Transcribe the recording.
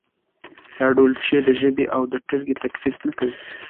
دا ډول پېښې د ژبې او ډلې تفکیک نه کوي.